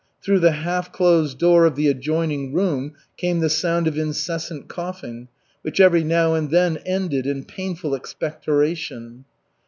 Through the half closed door of the adjoining room came the sound of incessant coughing which every now and then ended in painful expectoration.